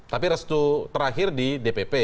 tapi restu terakhir di dpp